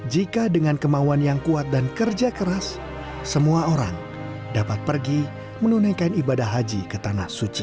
jika dengan kemauan yang kuat dan kerja keras semua orang dapat pergi menunaikan ibadah haji ke tanah suci